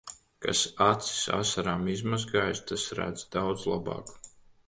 Kas acis asarām izmazgājis, tas redz daudz labāk.